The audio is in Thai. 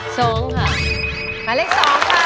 ๕สองหนึ่งสองสามสี่สองสามสี่สองสองสองสองสอง